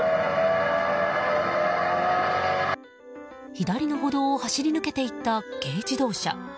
左の歩道を走り抜けていった軽自動車。